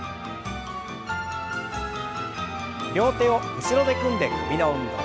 両手を後ろで組んで首の運動。